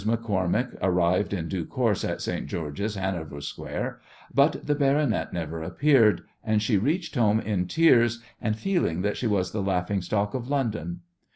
MacCormack arrived in due course at St. George's, Hanover Square, but the "baronet" never appeared, and she reached home in tears and feeling that she was the laughing stock of London.